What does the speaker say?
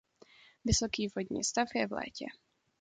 Vysoký vodní stav je v létě.